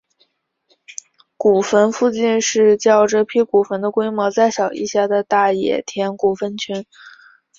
古坟附近是较这批古坟的规模再小一些的大野田古坟群。